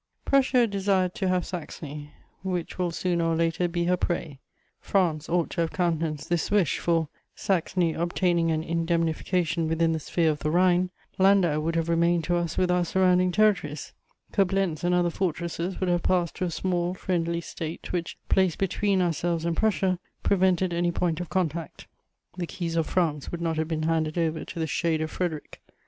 Prussia desired to have Saxony, which will sooner or later be her prey; France ought to have countenanced this wish, for, Saxony obtaining an indemnification within the sphere of the Rhine, Landau would have remained to us with our surrounding territories; Coblentz and other fortresses would have passed to a small friendly State, which, placed between ourselves and Prussia, prevented any point of contact; the keys of France would not have been handed over to the shade of Frederic.